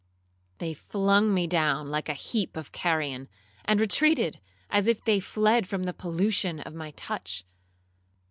They flung me down like a heap of carrion, and retreated as if they fled from the pollution of my touch.